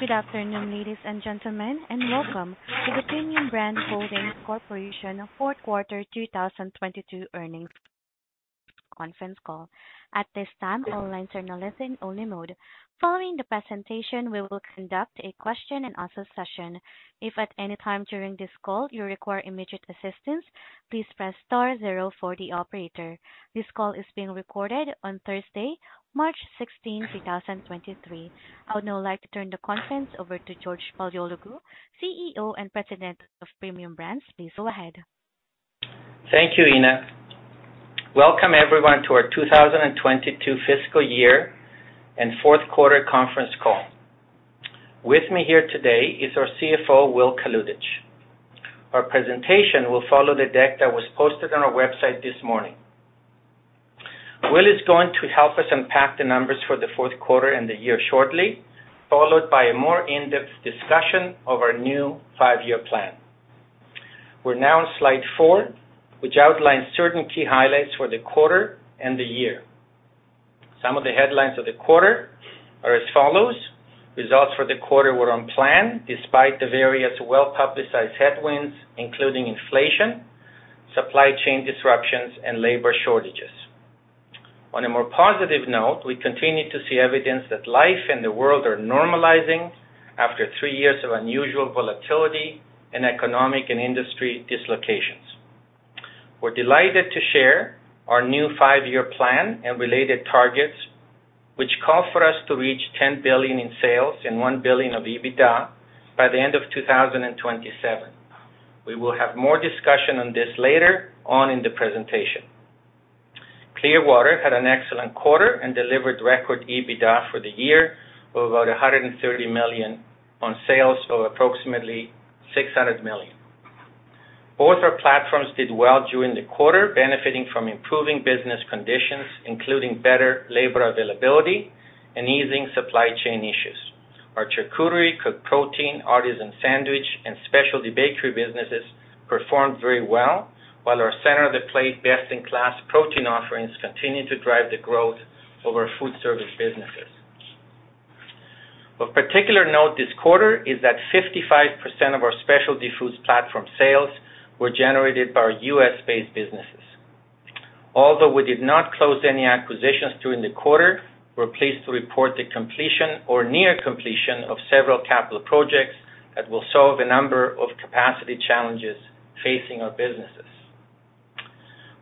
Good afternoon, ladies and gentlemen, Welcome to the Premium Brands Holdings Corporation Fourth Quarter 2022 Earnings Conference Call. At this time, all lines are in listen-only mode. Following the presentation, we will conduct a question and answer session. If at any time during this call you require immediate assistance, please press star zero for the operator. This call is being recorded on Thursday, March 16th, 2023. I would now like to turn the conference over to George Paleologou, CEO and President of Premium Brands. Please go ahead. Thank you, Ina. Welcome everyone to our 2022 fiscal year and fourth quarter conference call. With me here today is our CFO, Will Kalutycz. Our presentation will follow the deck that was posted on our website this morning. Will is going to help us unpack the numbers for the fourth quarter and the year shortly, followed by a more in-depth discussion of our new five-year plan. We're now on slide four, which outlines certain key highlights for the quarter and the year. Some of the headlines of the quarter are as follows: Results for the quarter were on plan despite the various well-publicized headwinds, including inflation, supply chain disruptions, and labor shortages. On a more positive note, we continue to see evidence that life and the world are normalizing after three years of unusual volatility in economic and industry dislocations. We're delighted to share our new five-year plan and related targets, which call for us to reach 10 billion in sales and 1 billion of EBITDA by the end of 2027. We will have more discussion on this later on in the presentation. Clearwater had an excellent quarter and delivered record EBITDA for the year of about 130 million on sales of approximately 600 million. Both our platforms did well during the quarter, benefiting from improving business conditions, including better labor availability and easing supply chain issues. Our charcuterie, cooked protein, artisan sandwich, and specialty bakery businesses performed very well, while our center-of-the-plate best-in-class protein offerings continued to drive the growth of our food service businesses. Of particular note this quarter is that 55% of our specialty foods platform sales were generated by our U.S.-based businesses. Although we did not close any acquisitions during the quarter, we're pleased to report the completion or near completion of several capital projects that will solve a number of capacity challenges facing our businesses.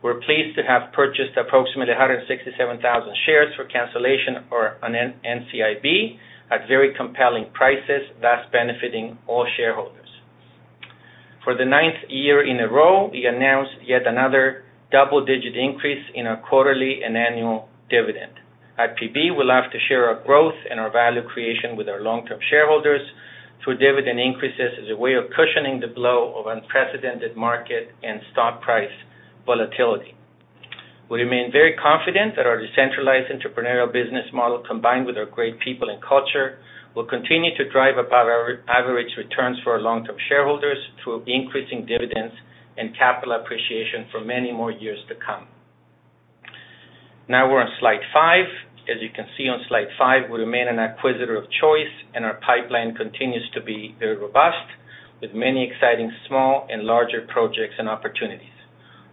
We're pleased to have purchased approximately 167,000 shares for cancellation on an NCIB at very compelling prices, thus benefiting all shareholders. For the ninth year in a row, we announced yet another double-digit increase in our quarterly and annual dividend. At PB, we love to share our growth and our value creation with our long-term shareholders through dividend increases as a way of cushioning the blow of unprecedented market and stock price volatility. We remain very confident that our decentralized entrepreneurial business model, combined with our great people and culture, will continue to drive above our average returns for our long-term shareholders through increasing dividends and capital appreciation for many more years to come. We're on slide five. As you can see on slide five, we remain an acquisitor of choice, and our pipeline continues to be very robust, with many exciting small and larger projects and opportunities.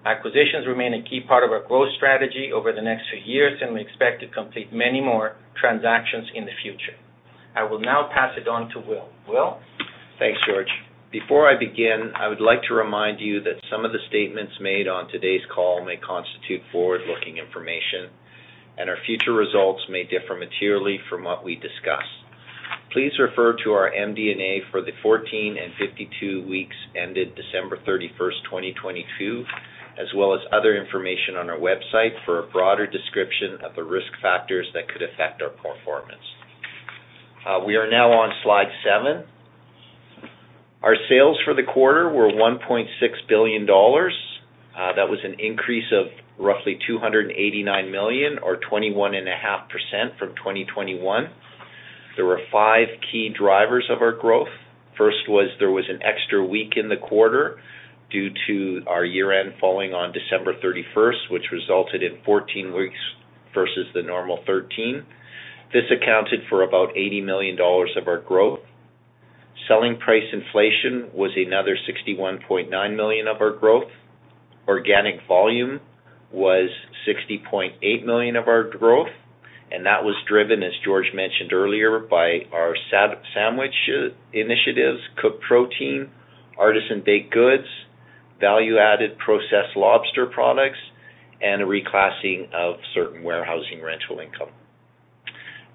Acquisitions remain a key part of our growth strategy over the next few years, and we expect to complete many more transactions in the future. I will now pass it on to Will. Will? Thanks, George. Before I begin, I would like to remind you that some of the statements made on today's call may constitute forward-looking information and our future results may differ materially from what we discuss. Please refer to our MD&A for the 14 and 52 weeks ended December 31st, 2022, as well as other information on our website for a broader description of the risk factors that could affect our performance. We are now on slide 7. Our sales for the quarter were 1.6 billion dollars. That was an increase of roughly 289 million or 21.5% from 2021. There were five key drivers of our growth. First was there was an extra week in the quarter due to our year-end falling on December 31st, which resulted in 14 weeks versus the normal 13. This accounted for about 80 million dollars of our growth. Selling price inflation was another 61.9 million of our growth. Organic volume was 60.8 million of our growth, and that was driven, as George mentioned earlier, by our sandwich initiatives, cooked protein, artisan baked goods, value-added processed lobster products, and a reclassing of certain warehousing rental income.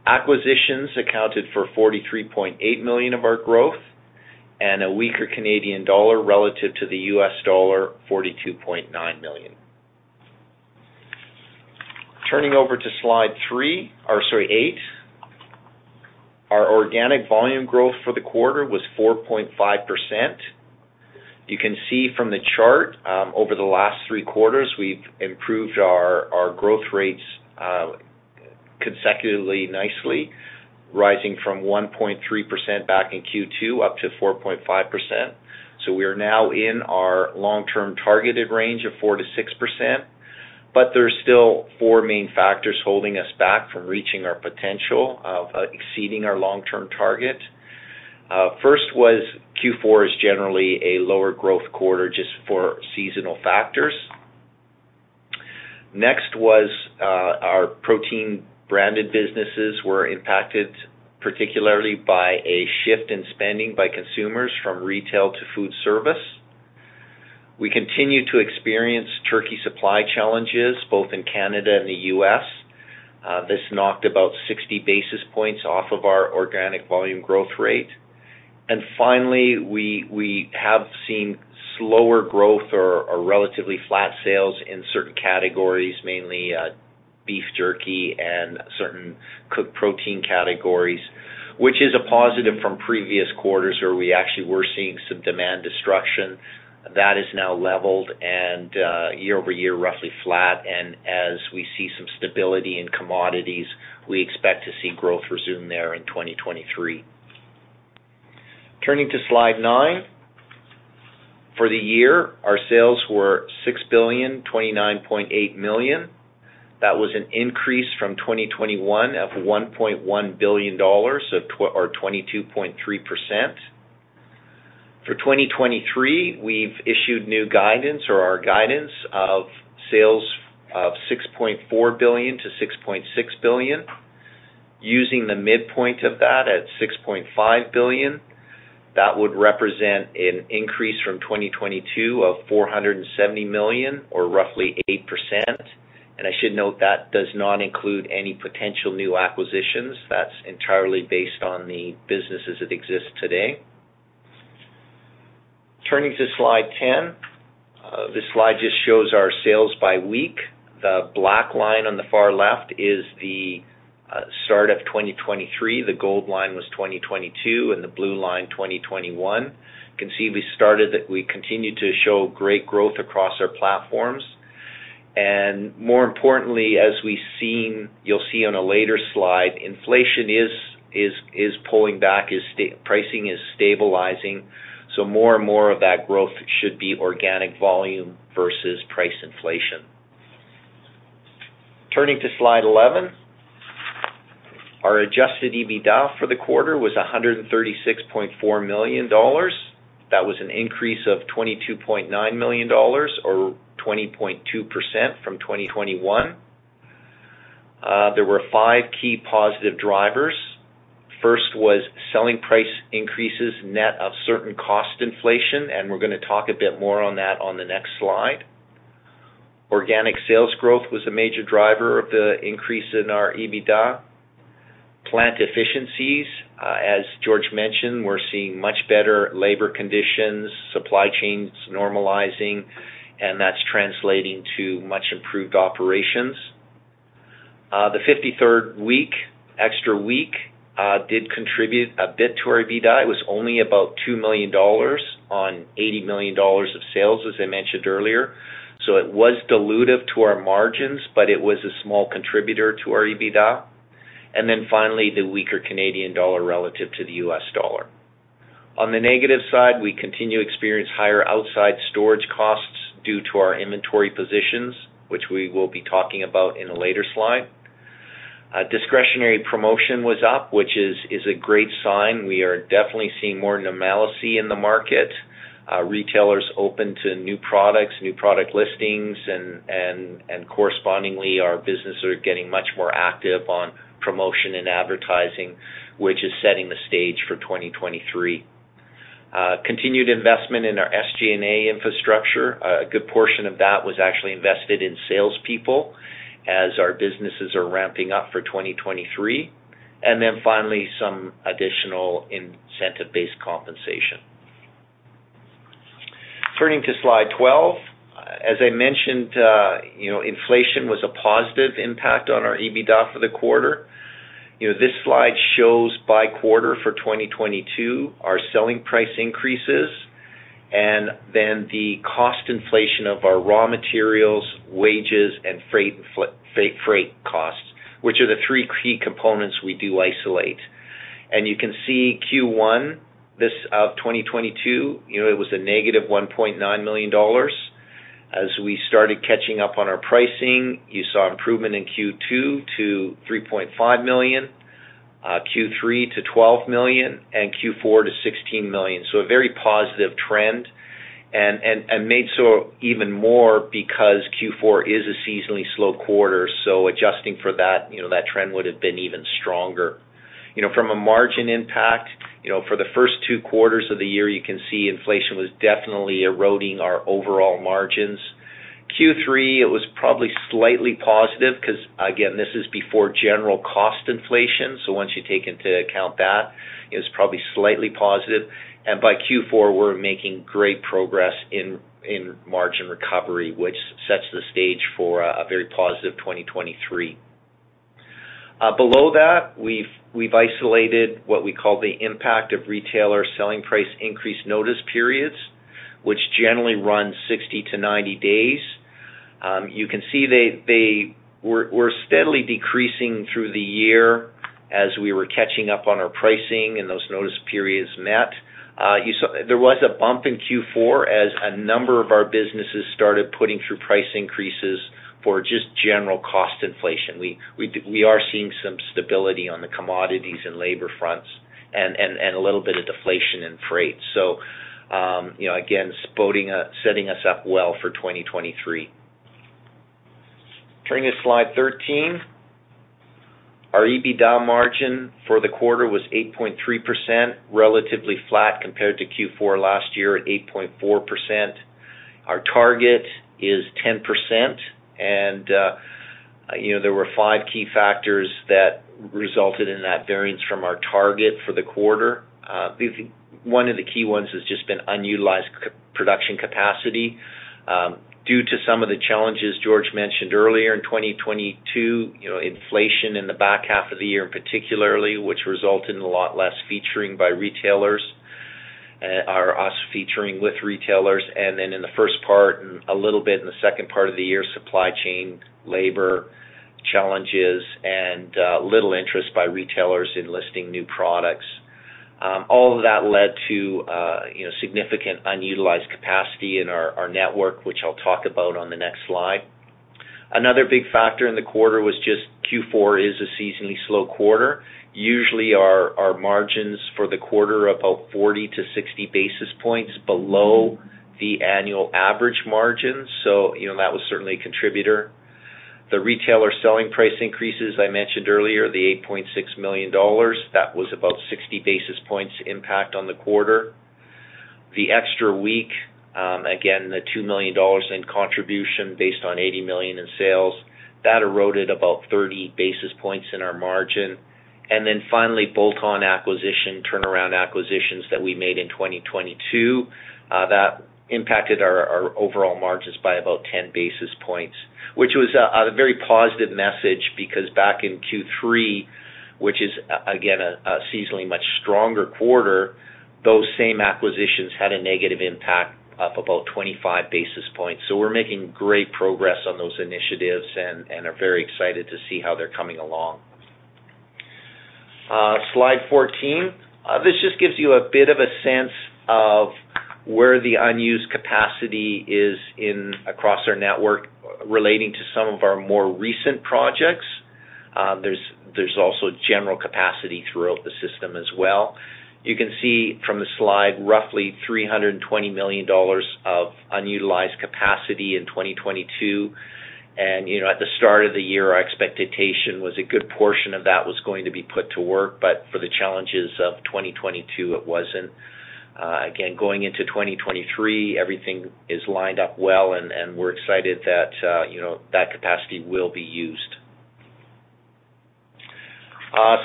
Acquisitions accounted for 43.8 million of our growth and a weaker Canadian dollar relative to the U.S. dollar, 42.9 million. Turning over to slide three... Or sorry, eight. Our organic volume growth for the quarter was 4.5%. You can see from the chart, over the last three quarters, we've improved our growth rates consecutively nicely, rising from 1.3% back in Q2 up to 4.5%. We are now in our long-term targeted range of 4%-6%. There's still four main factors holding us back from reaching our potential of exceeding our long-term target. First was Q4 is generally a lower growth quarter just for seasonal factors. Next was, our protein branded businesses were impacted, particularly by a shift in spending by consumers from retail to food service. We continue to experience turkey supply challenges both in Canada and the U.S. This knocked about 60 basis points off of our organic volume growth rate. Finally, we have seen slower growth or relatively flat sales in certain categories, mainly beef jerky and certain cooked protein categories, which is a positive from previous quarters where we actually were seeing some demand destruction. That is now leveled year-over-year, roughly flat. As we see some stability in commodities, we expect to see growth resume there in 2023. Turning to slide nine. For the year, our sales were 6,029.8 billion. That was an increase from 2021 of 1.1 billion dollars or 22.3%. For 2023, we've issued new guidance or our guidance of sales of 6.4 billion-6.6 billion. Using the midpoint of that at 6.5 billion, that would represent an increase from 2022 of 470 million or roughly 8%. I should note that does not include any potential new acquisitions. That's entirely based on the business as it exists today. Turning to slide ten. This slide just shows our sales by week. The black line on the far left is the start of 2023. The gold line was 2022, the blue line, 2021. You can see we continued to show great growth across our platforms. More importantly, you'll see on a later slide, inflation is pulling back, pricing is stabilizing, more and more of that growth should be organic volume versus price inflation. Turning to slide 11. Our adjusted EBITDA for the quarter was 136.4 million dollars. That was an increase of 22.9 million dollars or 20.2% from 2021. There were five key positive drivers. First was selling price increases net of certain cost inflation, we're gonna talk a bit more on that on the next slide. Organic sales growth was a major driver of the increase in our EBITDA. Plant efficiencies. As George mentioned, we're seeing much better labor conditions, supply chains normalizing, and that's translating to much improved operations. The 53rd week, extra week, did contribute a bit to our EBITDA. It was only about 2 million dollars on 80 million dollars of sales, as I mentioned earlier. It was dilutive to our margins, but it was a small contributor to our EBITDA. Finally, the weaker Canadian dollar relative to the U.S. dollar. On the negative side, we continue to experience higher outside storage costs due to our inventory positions, which we will be talking about in a later slide. Discretionary promotion was up, which is a great sign. We are definitely seeing more normalcy in the market. Retailers open to new products, new product listings, and correspondingly, our business are getting much more active on promotion and advertising, which is setting the stage for 2023. Continued investment in our SG&A infrastructure. A good portion of that was actually invested in salespeople as our businesses are ramping up for 2023. Finally, some additional incentive-based compensation. Turning to slide 12. As I mentioned, you know, inflation was a positive impact on our EBITDA for the quarter. You know, this slide shows by quarter for 2022, our selling price increases, and then the cost inflation of our raw materials, wages, and freight costs, which are the three key components we do isolate. You can see Q1, this of 2022, you know, it was a -1.9 million dollars. As we started catching up on our pricing, you saw improvement in Q2 to 3.5 million, Q3 to 12 million, and Q4 to 16 million. A very positive trend and made so even more because Q4 is a seasonally slow quarter. Adjusting for that, you know, that trend would have been even stronger. You know, from a margin impact, you know, for the first two quarters of the year, you can see inflation was definitely eroding our overall margins. Q3, it was probably slightly positive 'cause again, this is before general cost inflation. Once you take into account that, it was probably slightly positive. By Q4, we're making great progress in margin recovery, which sets the stage for a very positive 2023. Below that, we've isolated what we call the impact of retailer selling price increase notice periods, which generally run 60-90 days. You can see they were steadily decreasing through the year as we were catching up on our pricing and those notice periods met. You saw there was a bump in Q4 as a number of our businesses started putting through price increases for just general cost inflation. We are seeing some stability on the commodities and labor fronts and a little bit of deflation in freight. you know, again, setting us up well for 2023. Turning to slide 13. Our EBITDA margin for the quarter was 8.3%, relatively flat compared to Q4 last year at 8.4%. Our target is 10% you know, there were five key factors that resulted in that variance from our target for the quarter. One of the key ones has just been unutilized production capacity, due to some of the challenges George mentioned earlier in 2022, you know, inflation in the back half of the year, particularly, which resulted in a lot less featuring by retailers, or us featuring with retailers. In the first part and a little bit in the second part of the year, supply chain, labor challenges and little interest by retailers in listing new products. All of that led to, you know, significant unutilized capacity in our network, which I'll talk about on the next slide. Another big factor in the quarter was just Q4 is a seasonally slow quarter. Our margins for the quarter are about 40 basis points-60 basis points below the annual average margin, you know, that was certainly a contributor. The retailer selling price increases, I mentioned earlier, the 8.6 million dollars, that was about 60 basis points impact on the quarter. The extra week, again, the 2 million dollars in contribution based on 80 million in sales, that eroded about 30 basis points in our margin. Finally, bolt-on acquisition, turnaround acquisitions that we made in 2022, that impacted our overall margins by about 10 basis points, which was a very positive message because back in Q3, which is again a seasonally much stronger quarter, those same acquisitions had a negative impact of about 25 basis points. We're making great progress on those initiatives and are very excited to see how they're coming along. Slide 14. This just gives you a bit of a sense of where the unused capacity is across our network relating to some of our more recent projects. There's also general capacity throughout the system as well. You can see from the slide roughly 320 million dollars of unutilized capacity in 2022. You know, at the start of the year, our expectation was a good portion of that was going to be put to work, but for the challenges of 2022, it wasn't. Again, going into 2023, everything is lined up well, and we're excited that, you know, that capacity will be used.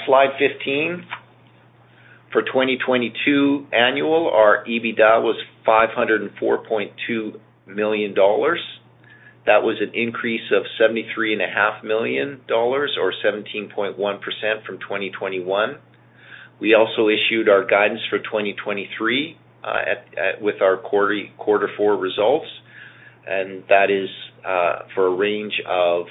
Slide 15. For 2022 annual, our EBITDA was 504.2 million dollars. That was an increase of 73.5 million dollars or 17.1% from 2021. We also issued our guidance for 2023, with our quarter four results, and that is for a range of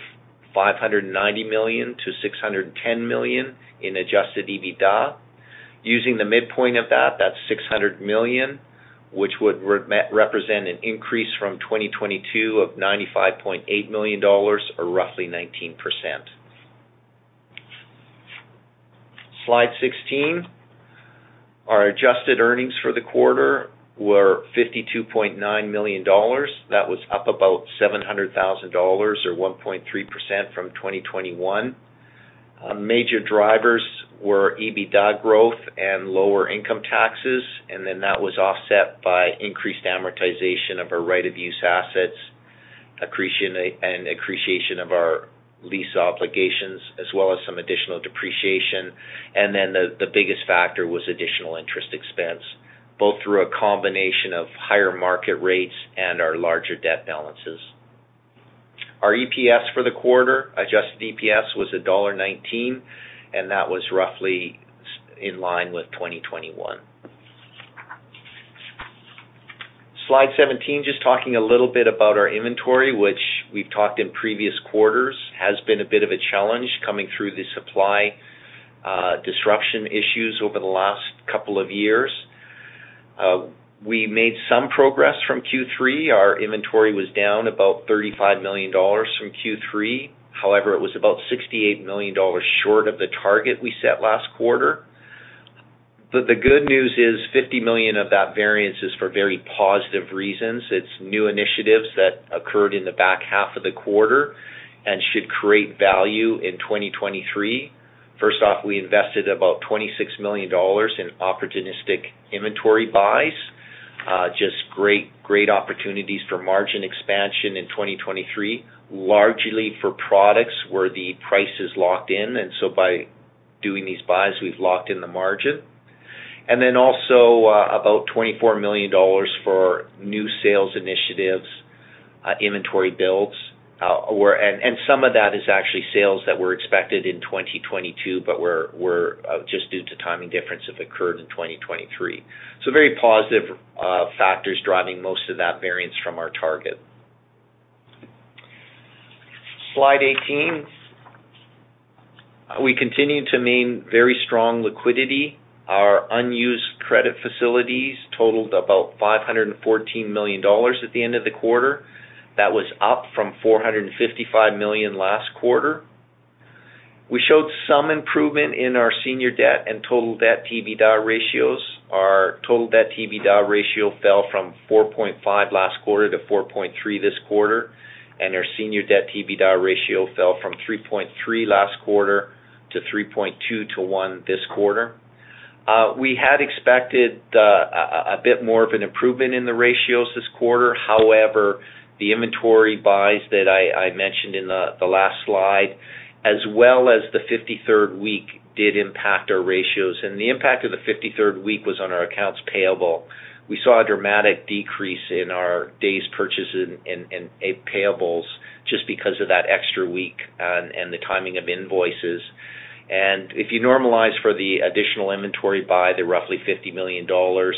590 million-610 million in adjusted EBITDA. Using the midpoint of that's 600 million, which would represent an increase from 2022 of 95.8 million dollars or roughly 19%. Slide 16. Our adjusted earnings for the quarter were 52.9 million dollars. That was up about 700,000 dollars or 1.3% from 2021. Major drivers were EBITDA growth and lower income taxes, then that was offset by increased amortization of our right-of-use assets, accretion of our lease obligations, as well as some additional depreciation. Then the biggest factor was additional interest expense, both through a combination of higher market rates and our larger debt balances. Our EPS for the quarter, adjusted EPS was dollar 1.19, that was roughly in line with 2021. Slide 17, just talking a little bit about our inventory, which we've talked in previous quarters, has been a bit of a challenge coming through the supply disruption issues over the last couple of years. We made some progress from Q3. Our inventory was down about 35 million dollars from Q3. However, it was about 68 million dollars short of the target we set last quarter. The good news is 50 million of that variance is for very positive reasons. It's new initiatives that occurred in the back half of the quarter and should create value in 2023. First off, we invested about 26 million dollars in opportunistic inventory buys. Just great opportunities for margin expansion in 2023, largely for products where the price is locked in. By doing these buys, we've locked in the margin. Also, about 24 million dollars for new sales initiatives, inventory builds. And some of that is actually sales that were expected in 2022, but were just due to timing difference have occurred in 2023. Very positive factors driving most of that variance from our target. Slide 18. We continue to mean very strong liquidity. Our unused credit facilities totaled about 514 million dollars at the end of the quarter. That was up from 455 million last quarter. We showed some improvement in our senior debt and total Debt-to-EBITDA ratios. Our total Debt-to-EBITDA ratio fell from 4.5 last quarter to 4.3 this quarter, and our senior Debt-to-EBITDA ratio fell from 3.3 last quarter to 3.2-1 this quarter. We had expected a bit more of an improvement in the ratios this quarter. The inventory buys that I mentioned in the last slide as well as the 53rd week did impact our ratios, and the impact of the fifty-third week was on our accounts payable. We saw a dramatic decrease in our days purchases in payables just because of that extra week and the timing of invoices. If you normalize for the additional inventory by the roughly 50 million dollars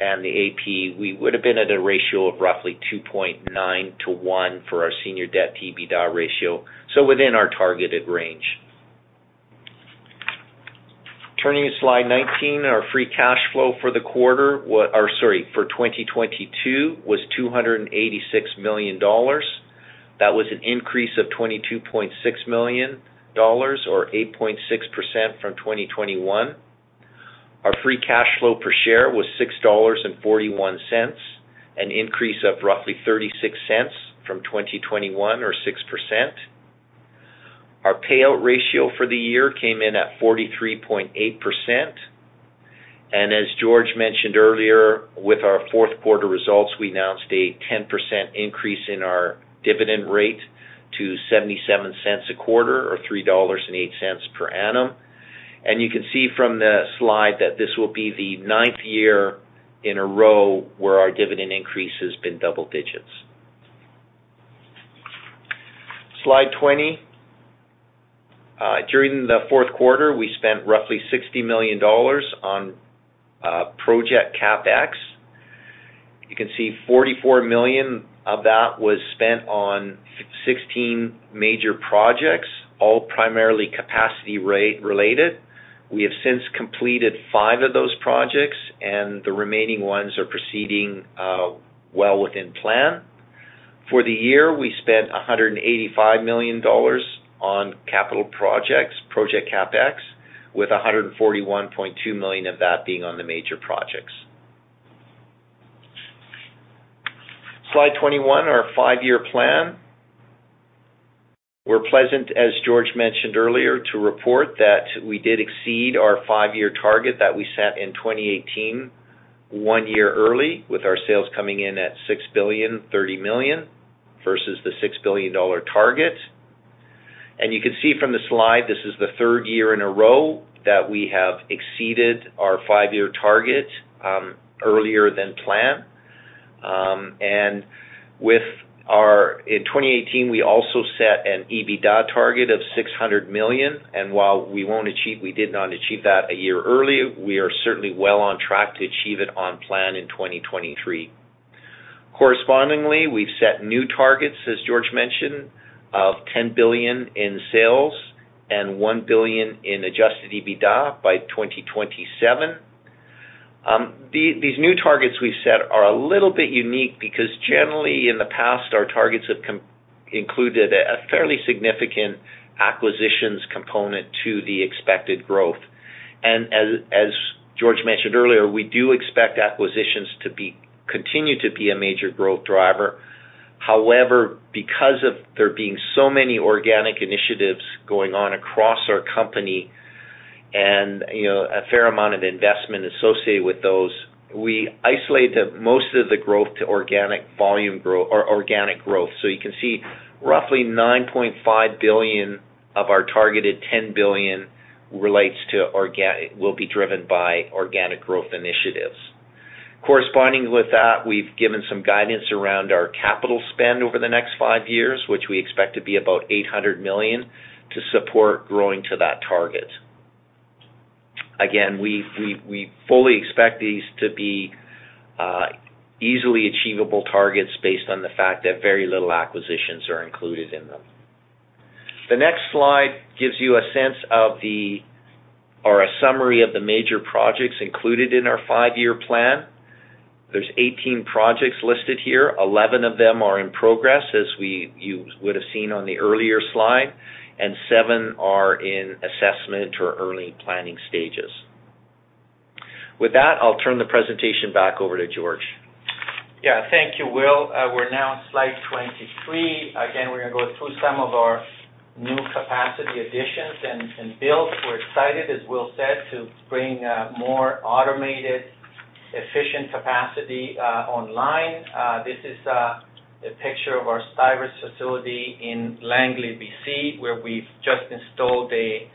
and the AP, we would have been at a ratio of roughly 2.9-1 for our senior Debt-to-EBITDA ratio, so within our targeted range. Turning to slide 19. Our free cash flow for the quarter for 2022 was 286 million dollars. That was an increase of 22.6 million dollars or 8.6% from 2021. Our free cash flow per share was 6.41 dollars, an increase of roughly 0.36 from 2021 or 6%. Our payout ratio for the year came in at 43.8%. As George mentioned earlier, with our fourth quarter results, we announced a 10% increase in our dividend rate to 0.77 a quarter or 3.08 dollars per annum. You can see from the slide that this will be the ninth year in a row where our dividend increase has been double digits. Slide 20. During the fourth quarter, we spent roughly 60 million dollars on project CapEx. You can see 44 million of that was spent on 16 major projects, all primarily capacity related. We have since completed five of those projects, and the remaining ones are proceeding well within plan. For the year, we spent 185 million dollars on capital projects, project CapEx, with 141.2 million of that being on the major projects. Slide 21, our five-year plan. We're pleasant, as George Paleologou mentioned earlier, to report that we did exceed our five-year target that we set in 2018 one year early with our sales coming in at 6.03 billion versus the 6 billion dollar target. You can see from the slide, this is the third year in a row that we have exceeded our five-year target earlier than planned. In 2018, we also set an EBITDA target of 600 million. While we won't achieve, we did not achieve that a year early, we are certainly well on track to achieve it on plan in 2023. Correspondingly, we've set new targets, as George Paleologou mentioned, of 10 billion in sales and 1 billion in adjusted EBITDA by 2027. These new targets we've set are a little bit unique because generally, in the past, our targets have included a fairly significant acquisitions component to the expected growth. As George mentioned earlier, we do expect acquisitions to continue to be a major growth driver. Because of there being so many organic initiatives going on across our company and, you know, a fair amount of investment associated with those, we isolate the most of the growth to organic growth. You can see roughly 9.5 billion of our targeted 10 billion will be driven by organic growth initiatives. Corresponding with that, we've given some guidance around our capital spend over the next five years, which we expect to be about 800 million to support growing to that target. Again, we fully expect these to be easily achievable targets based on the fact that very little acquisitions are included in them. The next slide gives you a sense of the or a summary of the major projects included in our five-year plan. There's 18 projects listed here. 11 of them are in progress, as you would have seen on the earlier slide, and seven are in assessment or early planning stages. With that, I'll turn the presentation back over to George. Yeah. Thank you, Will. We're now on slide 23. Again, we're gonna go through some of our new capacity additions and builds. We're excited, as Will said, to bring more automated, efficient capacity online. This is a picture of our Stuyver's facility in Langley, BC, where we've just installed a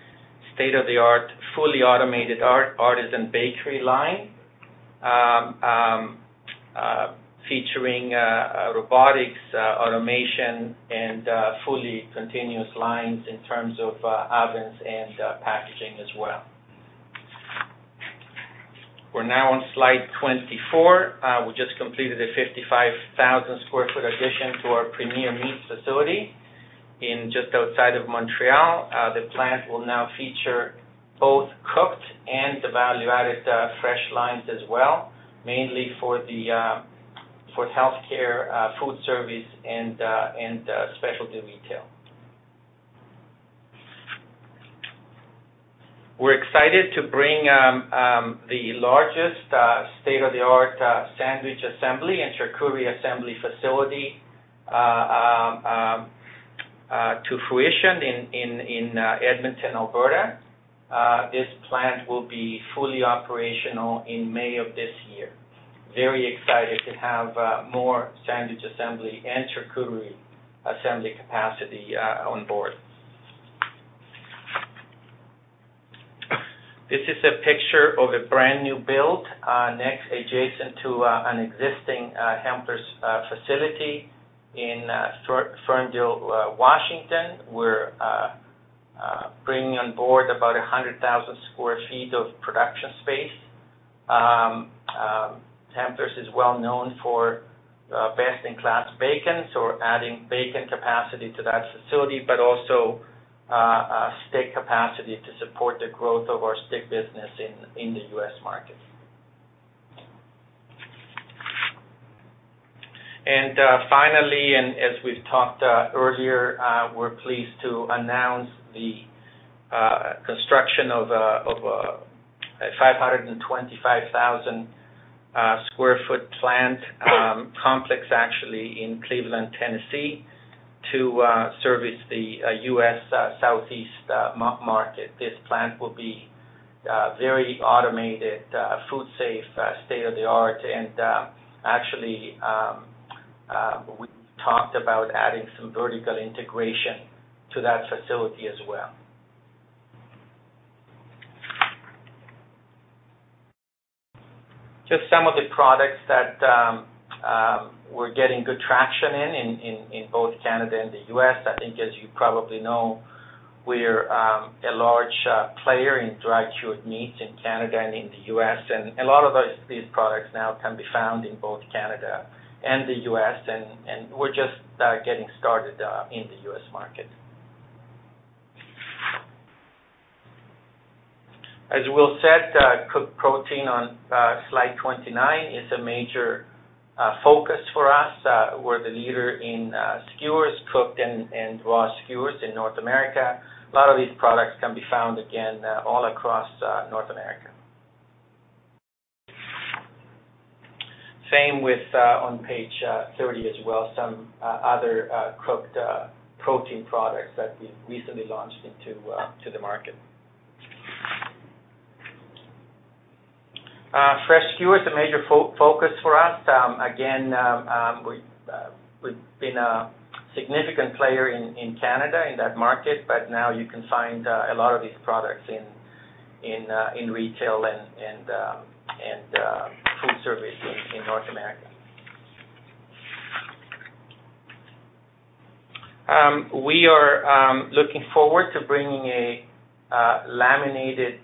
state-of-the-art, fully automated artisan bakery line, featuring a robotics automation and fully continuous lines in terms of ovens and packaging as well. We're now on slide 24. We just completed a 55,000 sq ft addition to our Premier Meat Packers facility in just outside of Montreal. The plant will now feature both cooked and the value-added fresh lines as well, mainly for the for healthcare, food service and specialty retail. We're excited to bring the largest state-of-the-art sandwich assembly and charcuterie assembly facility to fruition in Edmonton, Alberta. This plant will be fully operational in May of this year. Very excited to have more sandwich assembly and charcuterie assembly capacity on board. This is a picture of a brand new build next adjacent to an existing Hempler's facility in Ferndale, Washington. We're bringing on board about 100,000 sq ft of production space. Hempler's is well known for best in class bacon, so we're adding bacon capacity to that facility, but also steak capacity to support the growth of our steak business in the U.S. market. Finally, as we've talked earlier, we're pleased to announce the construction of a 525,000 sq ft plant complex actually in Cleveland, Tennessee, to service the U.S. southeast market. This plant will be very automated, food safe, state of the art. Actually, we talked about adding some vertical integration to that facility as well. Just some of the products that we're getting good traction in both Canada and the U.S. I think as you probably know, we're a large player in dry cured meats in Canada and in the U.S. A lot of these products now can be found in both Canada and the U.S., and we're just getting started in the U.S. market. As Will said, cooked protein on slide 29 is a major focus for us. We're the leader in skewers, cooked and raw skewers in North America. A lot of these products can be found again all across North America. Same with on page 30 as well, some other cooked protein products that we've recently launched into the market. Fresh skewers, a major focus for us. Again, we've been a significant player in Canada in that market, but now you can find a lot of these products in retail and food service in North America. We are looking forward to bringing a laminated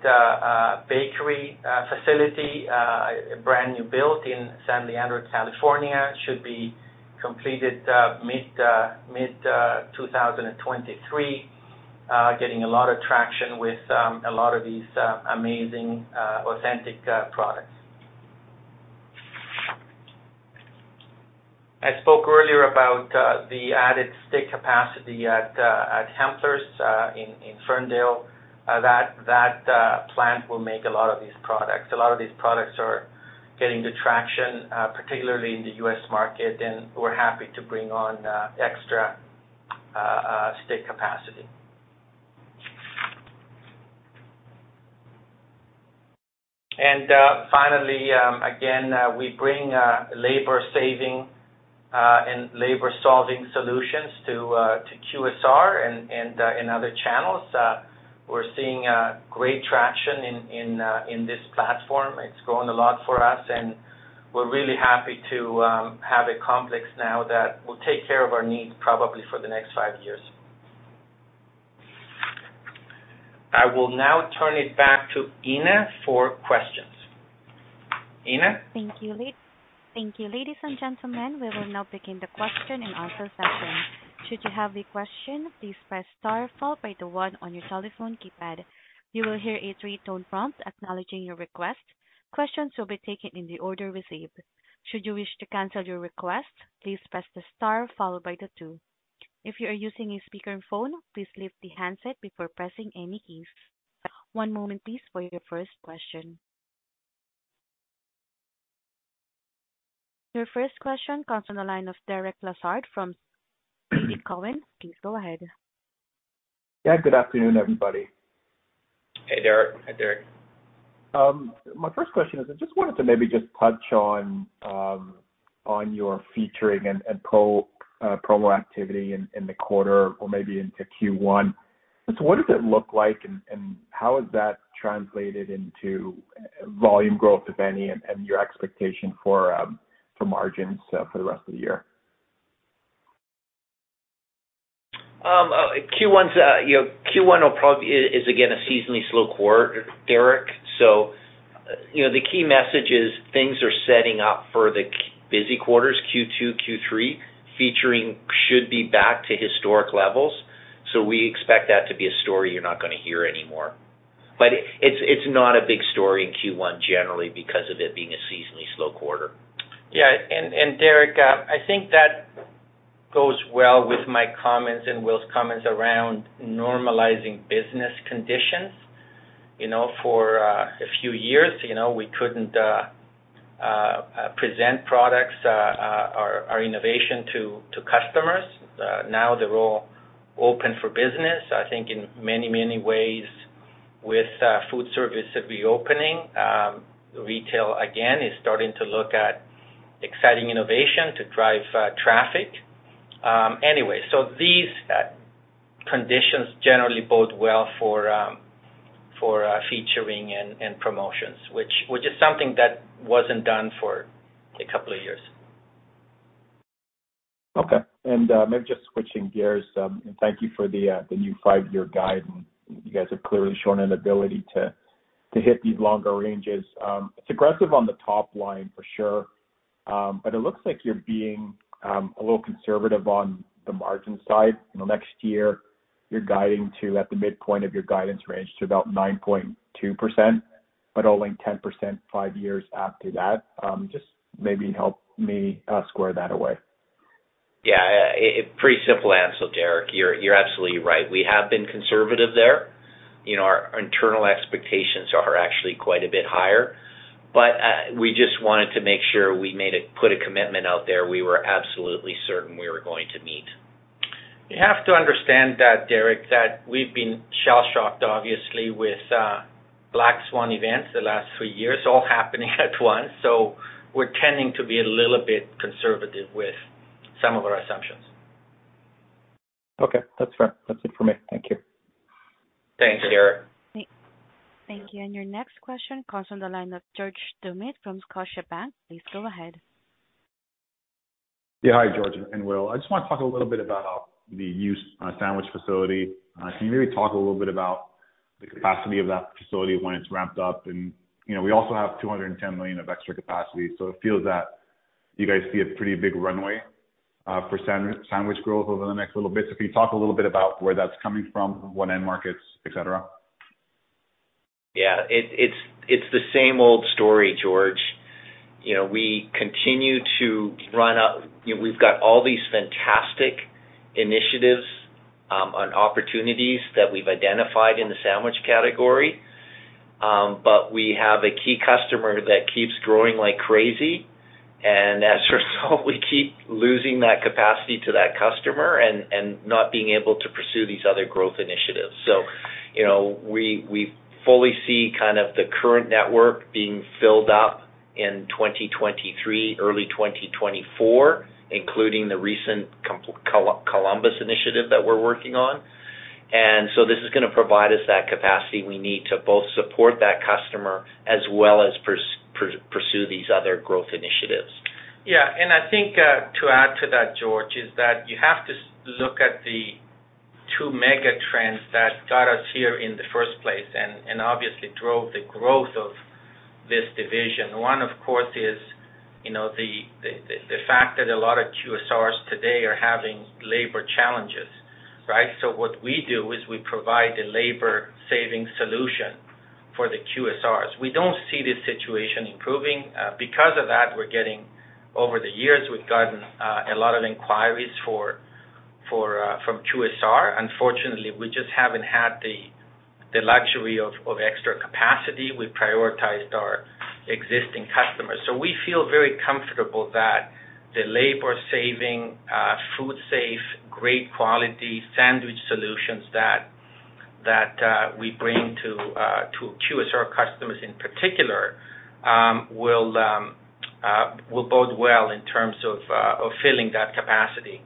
bakery facility, a brand new build in San Leandro, California. Should be completed mid 2023. Getting a lot of traction with a lot of these amazing authentic products. I spoke earlier about the added steak capacity at Hempler's in Ferndale. That plant will make a lot of these products. A lot of these products are getting the traction particularly in the U.S. market, and we're happy to bring on extra steak capacity. Finally, again, we bring labor saving and labor solving solutions to QSR and in other channels. We're seeing great traction in this platform. It's grown a lot for us, and we're really happy to have a complex now that will take care of our needs probably for the next five years. I will now turn it back to Ina for questions. Ina? Thank you, ladies and gentlemen. We will now begin the question and answer session. Should you have a question, please press star followed by the one on your telephone keypad. You will hear a three-tone prompt acknowledging your request. Questions will be taken in the order received. Should you wish to cancel your request, please press the star followed by the two. If you are using a speaker and phone, please lift the handset before pressing any keys. One moment please for your first question. Your first question comes from the line of Derek Lessard from TD Cowen. Please go ahead. Yeah, good afternoon, everybody. Hey, Derek. Hi, Derek. My first question is I just wanted to maybe just touch on your featuring and promo activity in the quarter or maybe into Q1. What does it look like and how has that translated into volume growth, if any, and your expectation for margins for the rest of the year? Q1's, you know, Q1 is again a seasonally slow quarter, Derek. You know, the key message is things are setting up for the busy quarters, Q2, Q3. Featuring should be back to historic levels, so we expect that to be a story you're not gonna hear anymore. It's not a big story in Q1 generally because of it being a seasonally slow quarter. Yeah. Derek, I think that goes well with my comments and Will's comments around normalizing business conditions. You know, for a few years, you know, we couldn't present products, our innovation to customers. Now they're all open for business, I think in many, many ways with food service reopening, retail again is starting to look at exciting innovation to drive traffic. Anyway, so these conditions generally bode well for featuring and promotions, which is something that wasn't done for a couple of years. Okay. Maybe just switching gears, thank you for the new five-year guide. You guys have clearly shown an ability to hit these longer ranges. It's aggressive on the top line for sure, but it looks like you're being a little conservative on the margin side. You know, next year you're guiding to at the midpoint of your guidance range to about 9.2%, but only 10% five years after that. Just maybe help me square that away. Yeah. A pretty simple answer, Derek. You're absolutely right. We have been conservative there. You know, our internal expectations are actually quite a bit higher. We just wanted to make sure we put a commitment out there we were absolutely certain we were going to meet. You have to understand that, Derek, that we've been shell-shocked, obviously, with black swan events the last three years all happening at once. We're tending to be a little bit conservative with some of our assumptions. Okay. That's fair. That's it for me. Thank you. Thanks, Derek. Thank you. Your next question comes from the line of George Doumet from Scotiabank. Please go ahead. Yeah. Hi, George and Will. I just wanna talk a little bit about the use sandwich facility. Can you maybe talk a little bit about the capacity of that facility when it's ramped up? You know, we also have 210 million of extra capacity, it feels that you guys see a pretty big runway for sandwich growth over the next little bit. Can you talk a little bit about where that's coming from, what end markets, et cetera? Yeah. It's the same old story, George. You know, we continue to run up. You know, we've got all these fantastic initiatives on opportunities that we've identified in the sandwich category. We have a key customer that keeps growing like crazy. As a result, we keep losing that capacity to that customer and not being able to pursue these other growth initiatives. You know, we fully see kind of the current network being filled up in 2023, early 2024, including the recent Columbus initiative that we're working on. This is gonna provide us that capacity we need to both support that customer as well as pursue these other growth initiatives. I think, to add to that, George, is that you have to look at the two mega trends that got us here in the first place and obviously drove the growth of this division. One, of course, is, you know, the fact that a lot of QSRs today are having labor challenges, right? What we do is we provide a labor saving solution for the QSRs. We don't see this situation improving. Because of that, over the years, we've gotten a lot of inquiries for from QSR. Unfortunately, we just haven't had the luxury of extra capacity. We prioritized our existing customers. We feel very comfortable that the labor saving, food safe, great quality sandwich solutions that we bring to QSR customers in particular, will bode well in terms of filling that capacity.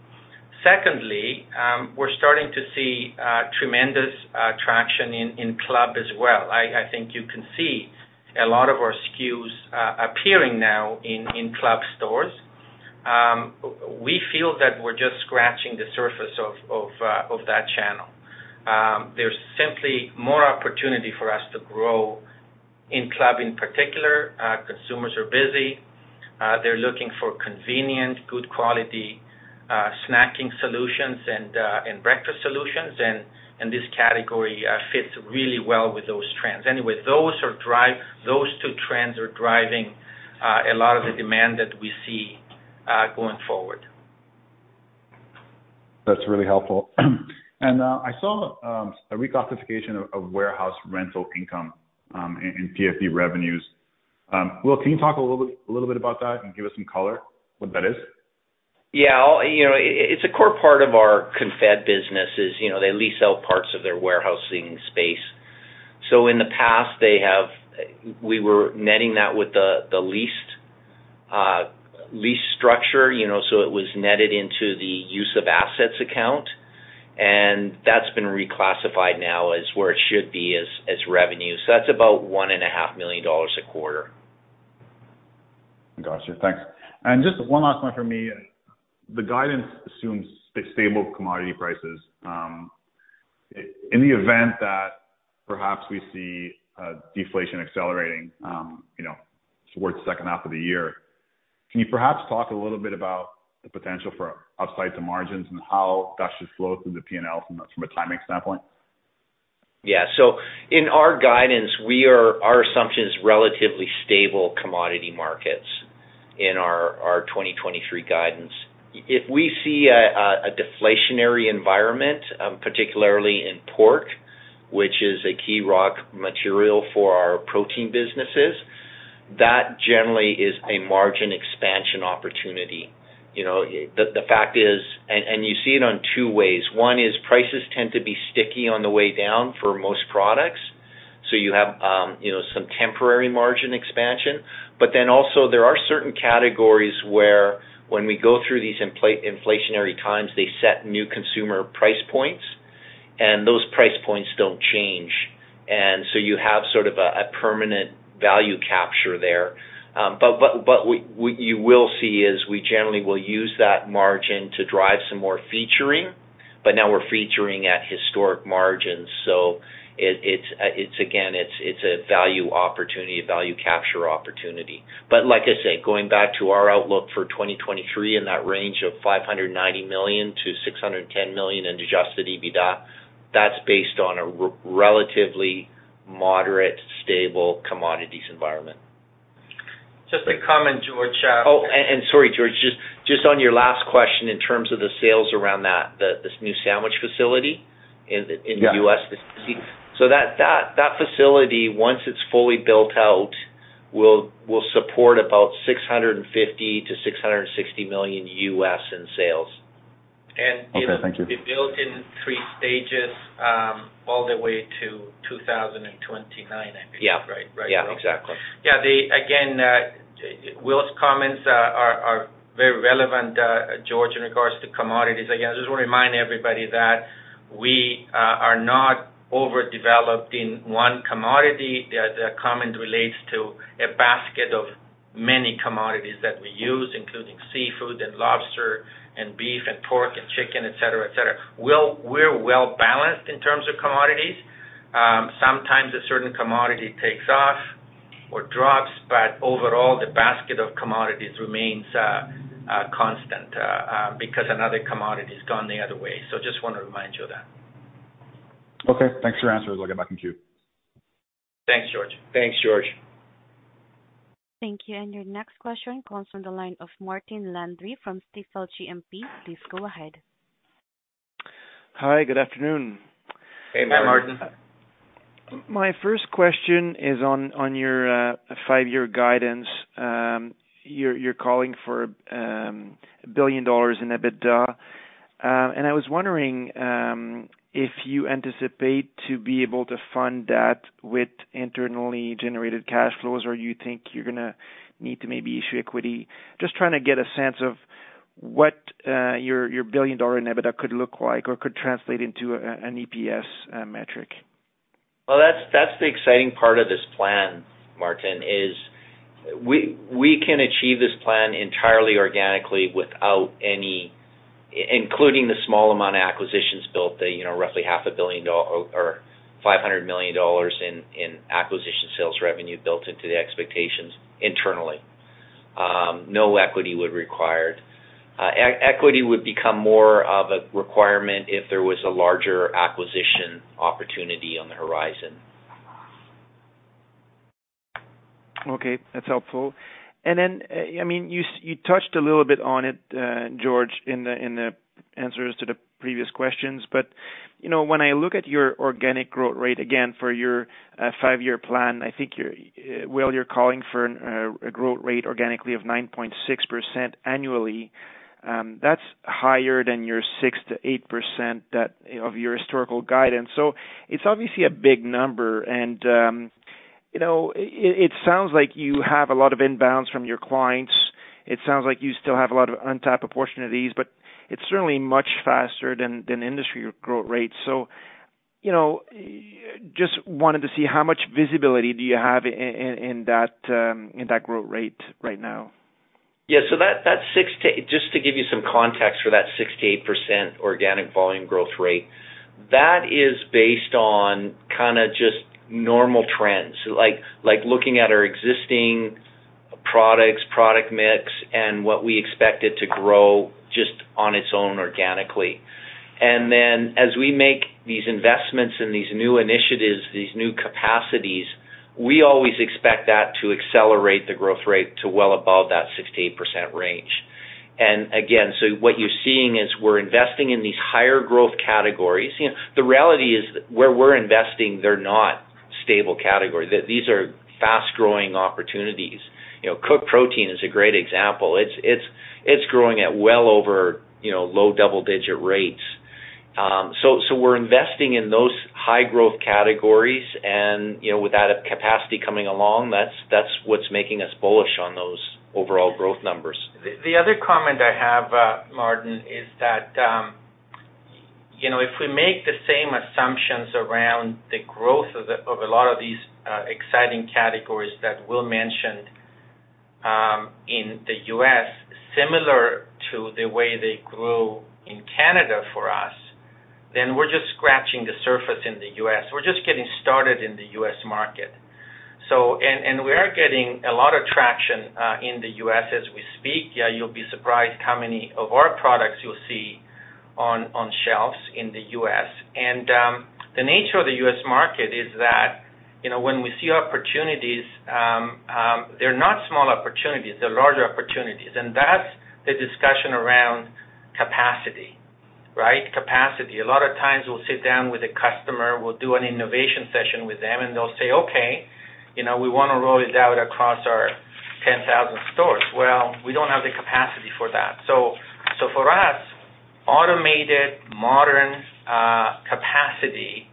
Secondly, we're starting to see tremendous traction in club as well. I think you can see a lot of our SKUs appearing now in club stores. We feel that we're just scratching the surface of that channel. There's simply more opportunity for us to grow in club in particular. Consumers are busy. They're looking for convenient, good quality snacking solutions and breakfast solutions. This category fits really well with those trends. Those two trends are driving a lot of the demand that we see going forward. That's really helpful. I saw a reclassification of warehouse rental income in PFD revenues. Will, can you talk a little bit about that and give us some color what that is? Yeah. You know, it's a core part of our Concord business is, you know, they lease out parts of their warehousing space. In the past we were netting that with the leased lease structure, you know. It was netted into the use of assets account, and that's been reclassified now as where it should be as revenue. That's about 1.5 million dollars a quarter. Gotcha. Thanks. Just one last one for me. The guidance assumes the stable commodity prices. In the event that perhaps we see a deflation accelerating, you know, towards the second half of the year, can you perhaps talk a little bit about the potential for upside to margins and how that should flow through the P&L from a timing standpoint? Yeah. In our guidance, our assumption is relatively stable commodity markets in our 2023 guidance. If we see a deflationary environment, particularly in pork, which is a key raw material for our protein businesses, that generally is a margin expansion opportunity. You know, the fact is you see it on two ways. One is prices tend to be sticky on the way down for most products. You have, you know, some temporary margin expansion. Also there are certain categories where when we go through these inflationary times, they set new consumer price points, and those price points don't change. You have sort of a permanent value capture there. What you will see is we generally will use that margin to drive some more featuring, but now we're featuring at historic margins. It's again, it's a value opportunity, a value capture opportunity. Like I say, going back to our outlook for 2023 in that range of 590 million-610 million in adjusted EBITDA, that's based on a relatively moderate, stable commodities environment. Just a comment, George. Sorry, George, just on your last question in terms of the sales around that, this new sandwich facility in the. Yeah. -U.S.. That facility, once it's fully built out, will support about $650 million-$660 million in sales. Okay. Thank you. It'll be built in three stages, all the way to 2029, I believe. Yeah. Right? Right. Yeah. Exactly. Yeah. Again, Will's comments are very relevant, George, in regards to commodities. Again, I just wanna remind everybody that we are not overdeveloped in one commodity. The comment relates to a basket of many commodities that we use, including seafood and lobster and beef and pork and chicken, et cetera, et cetera. Well, we're well balanced in terms of commodities. Sometimes a certain commodity takes off or drops, but overall, the basket of commodities remains constant because another commodity's gone the other way. Just wanna remind you of that. Okay. Thanks for your answers. I'll get back in queue. Thanks, George. Thanks, George. Thank you. Your next question comes from the line of Martin Landry from Stifel GMP. Please go ahead. Hi, good afternoon. Hey, Martin. Hi, Martin. My first question is on your five-year guidance. You're calling for billion dollars in EBITDA, and I was wondering if you anticipate to be able to fund that with internally generated cash flows or you think you're gonna need to maybe issue equity. Just trying to get a sense of what your billion dollar EBITDA could look like or could translate into an EPS metric? Well, that's the exciting part of this plan, Martin, is we can achieve this plan entirely organically without any, including the small amount of acquisitions built, you know, roughly half a billion dollar or 500 million dollars in acquisition sales revenue built into the expectations internally. No equity would required. Equity would become more of a requirement if there was a larger acquisition opportunity on the horizon. Okay, that's helpful. I mean, you touched a little bit on it, George, in the answers to the previous questions. You know, when I look at your organic growth rate, again, for your five-year plan, I think you're, well, you're calling for a growth rate organically of 9.6% annually. That's higher than your 6%-8% that, you know, of your historical guidance. It's obviously a big number. You know, it sounds like you have a lot of inbounds from your clients. It sounds like you still have a lot of untapped opportunities, but it's certainly much faster than industry growth rates. You know, just wanted to see how much visibility do you have in that growth rate right now? Yeah. Just to give you some context for that 6%-8% organic volume growth rate, that is based on kind of just normal trends, like looking at our existing products, product mix, and what we expect it to grow just on its own organically. As we make these investments in these new initiatives, these new capacities, we always expect that to accelerate the growth rate to well above that 6%-8% range. What you're seeing is we're investing in these higher growth categories. You know, the reality is where we're investing, they're not stable categories. These are fast-growing opportunities. You know, cooked protein is a great example. It's growing at well over, you know, low double-digit rates. We're investing in those high growth categories and, you know, with that capacity coming along, that's what's making us bullish on those overall growth numbers. The other comment I have, Martin, is that. You know, if we make the same assumptions around the growth of a lot of these exciting categories that Will mentioned, in the U.S. similar to the way they grew in Canada for us, then we're just scratching the surface in the U.S. We're just getting started in the U.S. market. We are getting a lot of traction in the U.S. as we speak. Yeah, you'll be surprised how many of our products you'll see on shelves in the U.S. The nature of the U.S. market is that, you know, when we see opportunities, they're not small opportunities, they're larger opportunities. That's the discussion around capacity, right? Capacity. A lot of times we'll sit down with a customer, we'll do an innovation session with them, and they'll say, "Okay, you know, we wanna roll it out across our 10,000 stores." We don't have the capacity for that. For us, automated modern capacity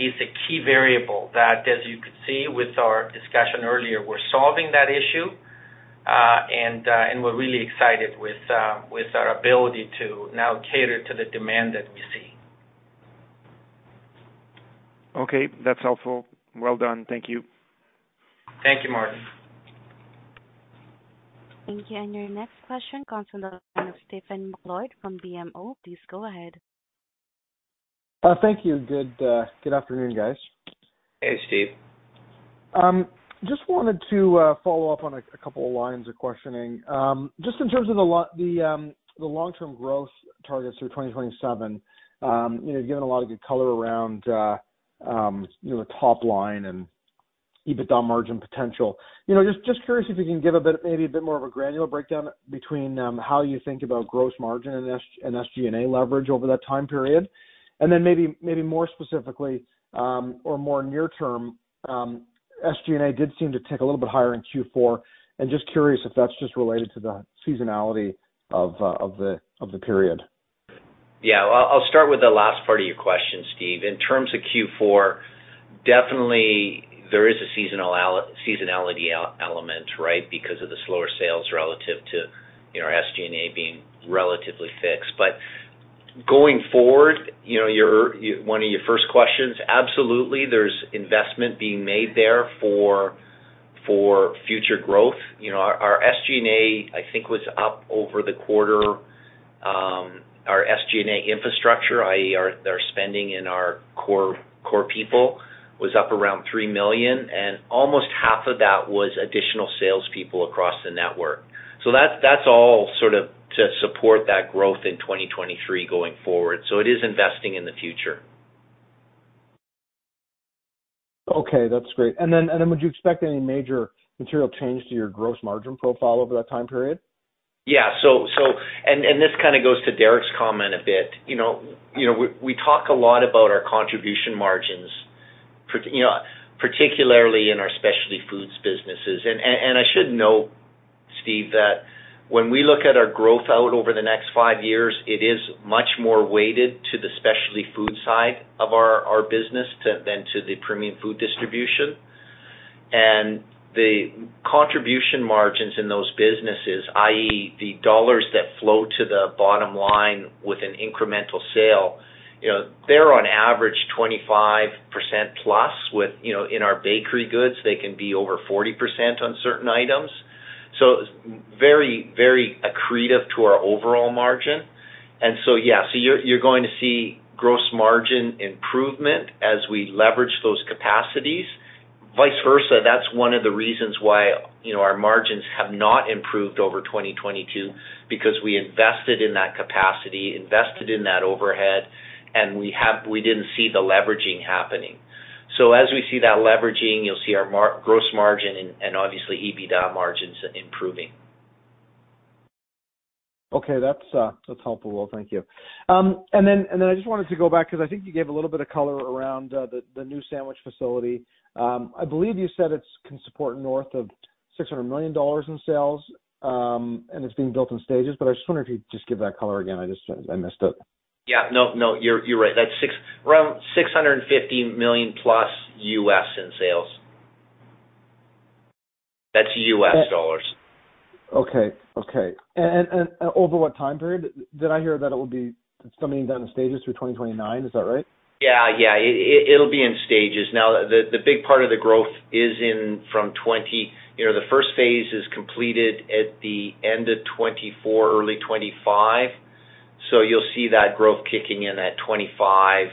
is a key variable that, as you could see with our discussion earlier, we're solving that issue, and we're really excited with our ability to now cater to the demand that we see. Okay. That's helpful. Well done. Thank you. Thank you, Martin. Thank you. Your next question comes from the line of Stephen MacLeod from BMO Capital Markets. Please go ahead. Thank you. Good afternoon, guys. Hey, Steve. Just wanted to follow up on a couple of lines of questioning. Just in terms of the long-term growth targets through 2027, you know, you've given a lot of good color around, you know, the top line and EBITDA margin potential. You know, just curious if you can give a bit, maybe a bit more of a granular breakdown between how you think about gross margin and SG&A leverage over that time period. Then maybe more specifically, or more near term, SG&A did seem to tick a little bit higher in Q4, and just curious if that's just related to the seasonality of the period. Yeah. Well, I'll start with the last part of your question, Steve. In terms of Q4, definitely there is a seasonality element, right, because of the slower sales relative to, you know, our SG&A being relatively fixed. Going forward, you know, One of your first questions, absolutely, there's investment being made there for future growth. You know, our SG&A, I think, was up over the quarter. Our SG&A infrastructure, i.e., our spending in our core people, was up around 3 million, and almost half of that was additional salespeople across the network. That's all sort of to support that growth in 2023 going forward. It is investing in the future. Okay, that's great. Would you expect any major material change to your gross margin profile over that time period? Yeah. This kinda goes to Derek's comment a bit. You know, we talk a lot about our contribution margins, particularly in our specialty foods businesses. I should note, Steve, that when we look at our growth out over the next five years, it is much more weighted to the specialty food side of our business than to the Premium Food Distribution. The contribution margins in those businesses, i.e., the dollars that flow to the bottom line with an incremental sale, you know, they're on average 25%+. You know, in our bakery goods, they can be over 40% on certain items. Very, very accretive to our overall margin. Yeah, you're going to see gross margin improvement as we leverage those capacities. Vice versa, that's one of the reasons why, you know, our margins have not improved over 2022, because we invested in that capacity, invested in that overhead, we didn't see the leveraging happening. As we see that leveraging, you'll see our gross margin and obviously EBITDA margins improving. Okay. That's helpful. Well, thank you. I just wanted to go back 'cause I think you gave a little bit of color around the new sandwich facility. I believe you said it's can support north of 600 million dollars in sales, and it's being built in stages. I just wonder if you'd just give that color again. I missed it. Yeah. No, no, you're right. Around $650 million+ U.S. in sales. That's U.S. dollars. Okay. Okay. Over what time period? Did I hear that it will be something done in stages through 2029? Is that right? Yeah, yeah. It'll be in stages. Now, the big part of the growth is in from 2020. You know, the first phase is completed at the end of 2024, early 2025. You'll see that growth kicking in at 2025,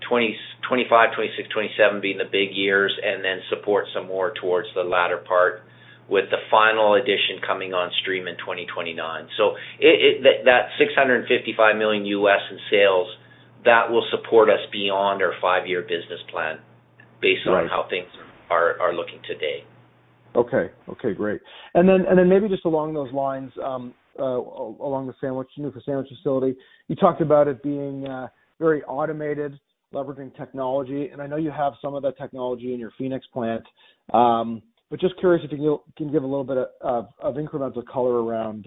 2026, 2027 being the big years and then support some more towards the latter part with the final addition coming on stream in 2029. It... That $655 million U.S. in sales, that will support us beyond our five-year business plan based on- Right. how things are looking today? Okay. Okay, great. Then maybe just along those lines, along the sandwich, new sandwich facility, you talked about it being very automated, leveraging technology, and I know you have some of that technology in your Phoenix plant. Just curious if you can give a little bit of incremental color around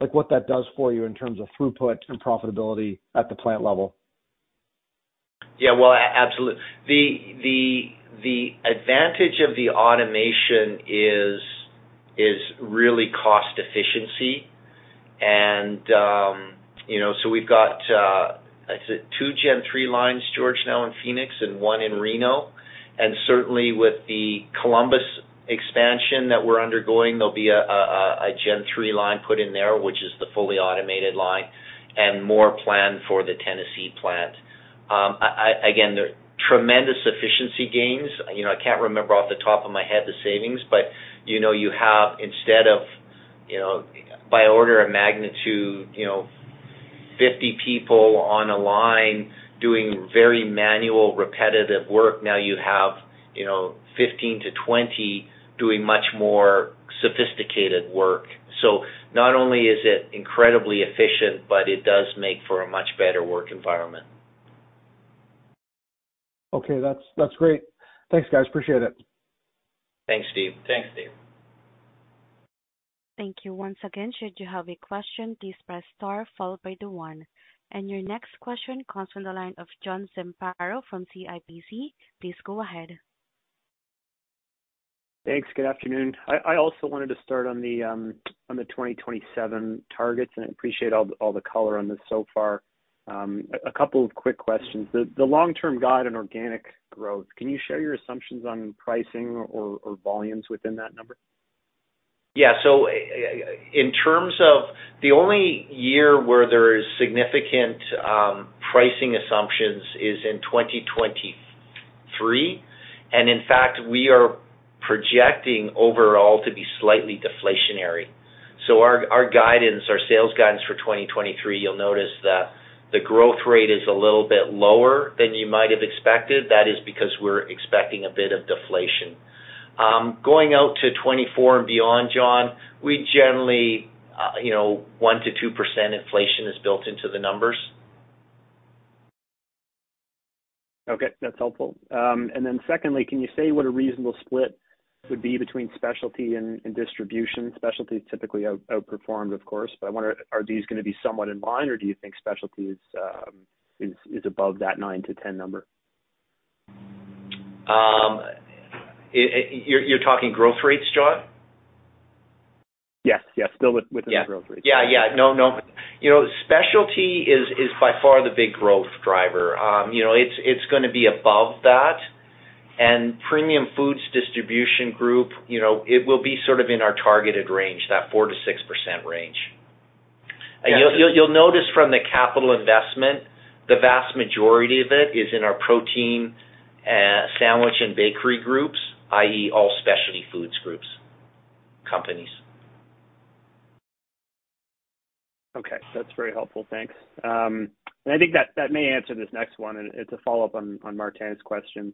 like what that does for you in terms of throughput and profitability at the plant level. Yeah. Well, absolutely. The advantage of the automation is really cost efficiency and, you know, so we've got, I'd say 2 Gen three lines, George, now in Phoenix and one in Reno. Certainly with the Columbus expansion that we're undergoing, there'll be a Gen 3 line put in there, which is the fully automated line, and more planned for the Tennessee plant. Again, there are tremendous efficiency gains. You know, I can't remember off the top of my head the savings, but, you know, you have instead of, you know, by order of magnitude, you know, 50 people on a line doing very manual repetitive work, now you have, you know, 15-20 doing much more sophisticated work. Not only is it incredibly efficient, but it does make for a much better work environment. Okay. That's great. Thanks, guys. Appreciate it. Thanks, Steve. Thanks, Steve. Thank you once again. Should you have a question, please press star followed by the one. Your next question comes from the line of John Zamparo from CIBC Capital Markets. Please go ahead. Thanks. Good afternoon. I also wanted to start on the 2027 targets. I appreciate all the color on this so far. A couple of quick questions. The long-term guide on organic growth, can you share your assumptions on pricing or volumes within that number? Yeah. In terms of... The only year where there is significant pricing assumptions is in 2023. In fact, we are projecting overall to be slightly deflationary. Our guidance, our sales guidance for 2023, you'll notice that the growth rate is a little bit lower than you might have expected. That is because we're expecting a bit of deflation. Going out to 2024 and beyond, John, we generally, you know, 1%-2% inflation is built into the numbers. Okay. That's helpful. Then secondly, can you say what a reasonable split would be between specialty and distribution? Specialty typically outperformed, of course, but I wonder, are these gonna be somewhat in line, or do you think specialty is above that 9-10 number? You're talking growth rates, John? Yes. Still within the growth rates. Yeah. Yeah. No, no. You know, specialty is by far the big growth driver. You know, it's gonna be above that. Premium Foods Distribution Group, you know, it will be sort of in our targeted range, that 4%-6% range. You'll notice from the capital investment, the vast majority of it is in our protein, sandwich and bakery groups, i.e. all specialty foods groups, companies. Okay. That's very helpful. Thanks. I think that may answer this next one, and it's a follow-up on Martin's question.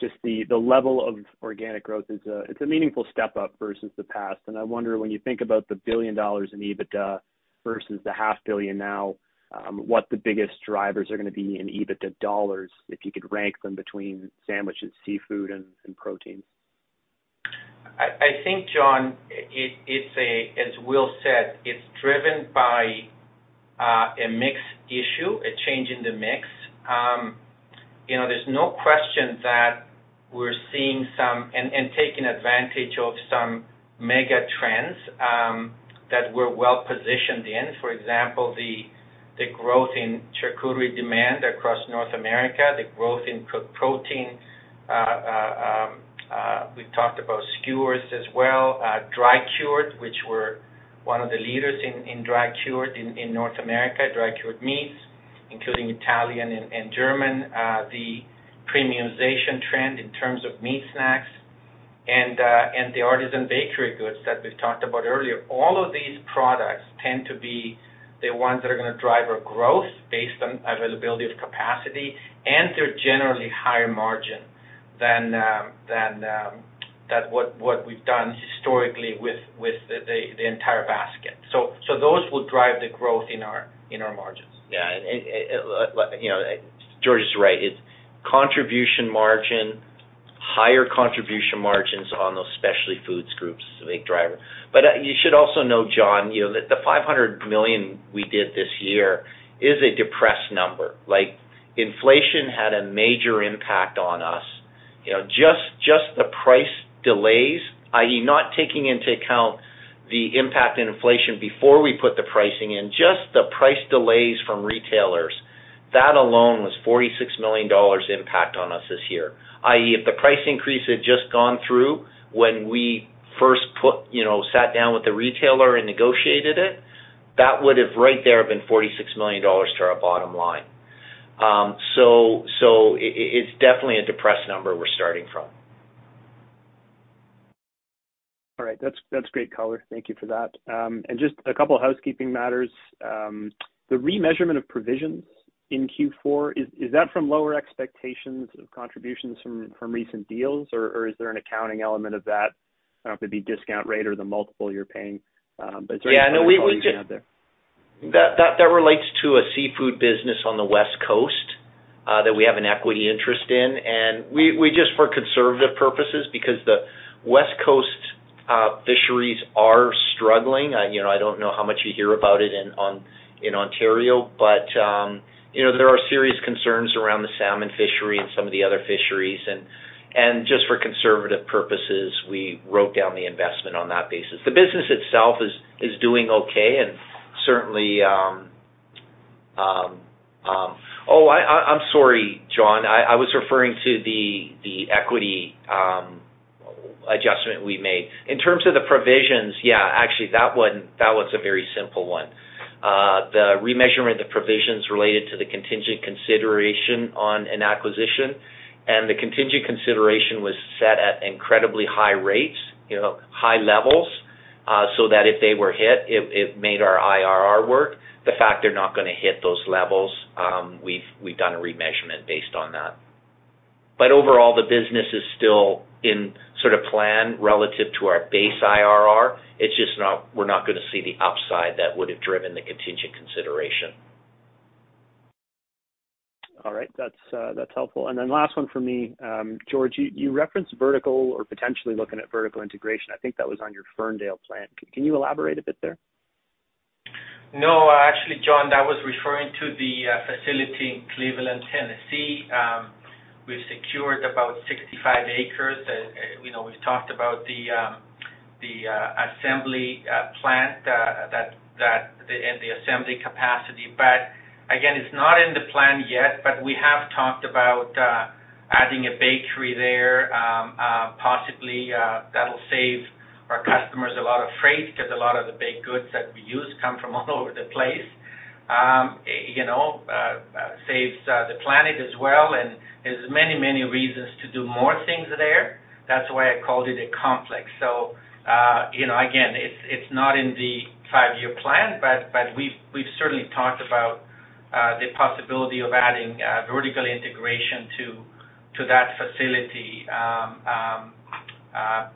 Just the level of organic growth. It's a meaningful step up versus the past. I wonder when you think about the 1 billion dollars in EBITDA versus the 500 million now, what the biggest drivers are gonna be in EBITDA dollars, if you could rank them between sandwich and seafood and protein. I think, John, as Will said, it's driven by a mix issue, a change in the mix. You know, there's no question that we're seeing some and taking advantage of some mega trends that we're well positioned in. For example, the growth in charcuterie demand across North America, the growth in pro-protein, we've talked about skewers as well, dry cured, which we're one of the leaders in dry cured in North America, dry cured meats, including Italian and German, the premiumization trend in terms of meat snacks and the artisan bakery goods that we've talked about earlier. All of these products tend to be the ones that are going to drive our growth based on availability of capacity. They're generally higher margin than what we've done historically with the entire basket. Those will drive the growth in our margins. Yeah. You know, George is right. It's contribution margin, higher contribution margins on those specialty foods groups is a big driver. You should also know, John, you know, the 500 million we did this year is a depressed number. Like, inflation had a major impact on us. You know, just the price delays, i.e. not taking into account the impact in inflation before we put the pricing in, just the price delays from retailers, that alone was 46 million dollars impact on us this year, i.e. if the price increase had just gone through when we first put, you know, sat down with the retailer and negotiated it, that would have right there been 46 million dollars to our bottom line. So it's definitely a depressed number we're starting from. All right. That's great color. Thank you for that. Just a couple of housekeeping matters. The remeasurement of provisions in Q4, is that from lower expectations of contributions from recent deals, or is there an accounting element of that? I don't know if it'd be discount rate or the multiple you're paying. Is there any other quality you have there? Yeah. No, we just That relates to a seafood business on the West Coast that we have an equity interest in. We just because the West Coast fisheries are struggling. I, you know, I don't know how much you hear about it in, on, in Ontario, but, you know, there are serious concerns around the salmon fishery and some of the other fisheries. Just for conservative purposes, we wrote down the investment on that basis. The business itself is doing okay and certainly. Oh, I'm sorry, John. I was referring to the equity adjustment we made. In terms of the provisions, yeah, actually, that was a very simple one. The remeasurement, the provisions related to the contingent consideration on an acquisition, and the contingent consideration was set at incredibly high rates, you know, high levels, so that if they were hit, it made our IRR work. The fact they're not gonna hit those levels, we've done a remeasurement based on that. Overall, the business is still in sort of plan relative to our base IRR. It's just not. We're not gonna see the upside that would have driven the contingent consideration. All right. That's helpful. Last one for me. George, you referenced vertical or potentially looking at vertical integration. I think that was on your Ferndale plant. Can you elaborate a bit there? No, actually, John, that was referring to the facility in Cleveland, Tennessee. We've secured about 65 ac. You know, we've talked about the assembly plant. The assembly capacity. Again, it's not in the plan yet, but we have talked about adding a bakery there, possibly, that'll save our customers a lot of freight 'cause a lot of the baked goods that we use come from all over the place. You know, saves the planet as well. There's many, many reasons to do more things there. That's why I called it a complex. You know, again, it's not in the five-year plan, but we've certainly talked about the possibility of adding vertical integration to that facility,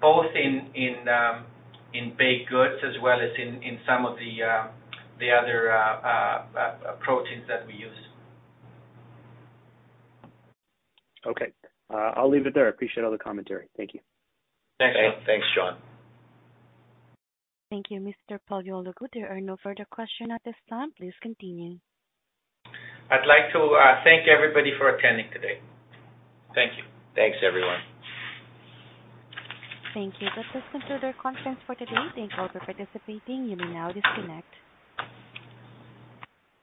both in baked goods as well as in some of the other proteins that we use. I'll leave it there. I appreciate all the commentary. Thank you. Thanks. Thanks, John. Thank you, Mr. Paleologou. There are no further question at this time. Please continue. I'd like to thank everybody for attending today. Thank you. Thanks, everyone. Thank you. This does conclude our conference for today. Thank you all for participating. You may now disconnect.